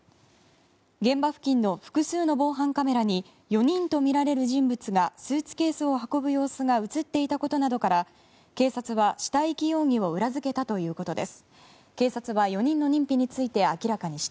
現場付近の複数の防犯カメラに４人とみられる人物がスーツケースを運ぶ様子が映っていたことなどから警察は死体遺棄容疑を裏付けたということです。